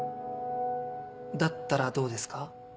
だったらどうですか？